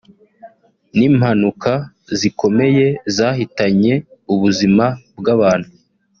n’impanuka zikomeye zahitanye ubuzima bw’abantu